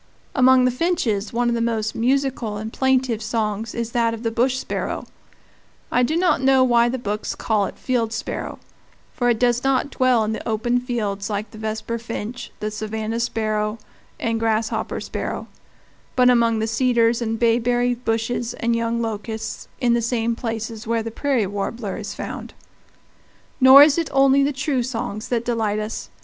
Among the finches one of the most musical and plaintive songs is that of the bush sparrow I do not know why the books call it field sparrow, for it does not dwell in the open fields like the vesperfinch, the savannah sparrow, and grasshopper sparrow, but among the cedars and bayberry bushes and young locusts in the same places where the prairie warbler is found. Nor is it only the true songs that delight us.